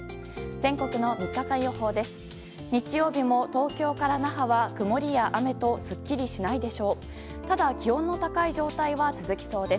全国の３日間予報です。